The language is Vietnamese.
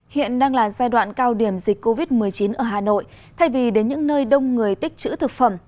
hiện đang là giai đoạn cao điểm dịch covid một mươi chín ở hà nội thay vì đến những nơi đông người tích chữ thực phẩm